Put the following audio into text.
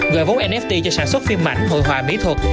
gọi vốn nft cho sản xuất phim ảnh hội họa mỹ thuật